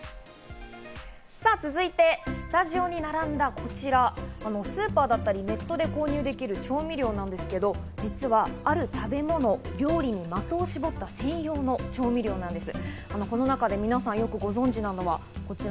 さぁ続いて、スタジオに並んだこちら、スーパーだったりネットで購入できる調味料なんですけど、実はある食べ物、料理に的を絞った専用調味料なんです。